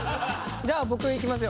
じゃあ僕いきますよ。